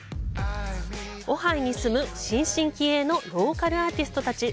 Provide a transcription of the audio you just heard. オハイに住む新進気鋭のローカルアーティストたち。